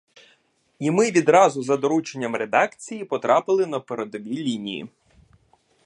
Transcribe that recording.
І ми відразу за дорученням редакції потрапили на передові лінії.